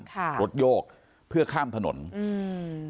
ค่ะรถโยกเพื่อข้ามถนนอืม